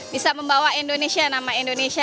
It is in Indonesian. bisa membawa indonesia nama indonesia